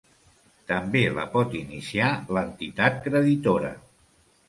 També la pot iniciar l'entitat creditora.